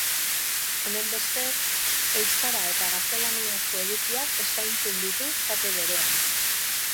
Honenbestez, euskara eta gaztelaniazko edukiak eskaintzen ditu kate berean.